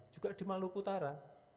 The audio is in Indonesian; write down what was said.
juga di maluku utara